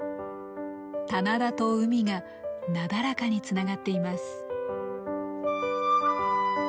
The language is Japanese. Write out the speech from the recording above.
棚田と海がなだらかにつながっています。